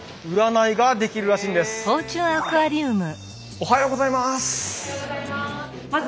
おはようございます。